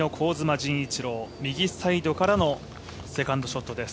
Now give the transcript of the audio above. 陣一朗、右サイドからのセカンドショットです。